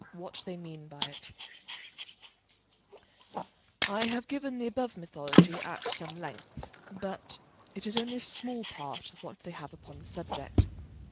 WHAT THEY MEAN BY IT I have given the above mythology at some length, but it is only a small part of what they have upon the subject.